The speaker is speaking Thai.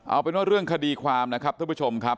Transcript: เอาไปเนาะเรื่องคดีความนะครับทั้งพี่ชมครับ